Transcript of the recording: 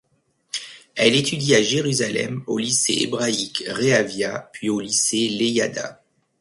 Elle étudie à Jérusalem, au lycée hébraïque Rehaviah puis au lycée Leyada.